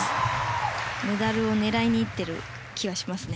メダルを狙いにいっている気がしますね。